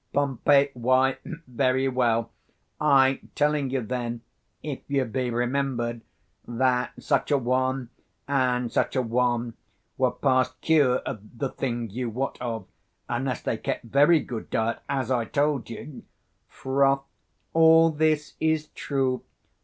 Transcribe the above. Pom. Why, very well; I telling you then, if you be remembered, 105 that such a one and such a one were past cure of the thing you wot of, unless they kept very good diet, as I told you, Froth. All this is true.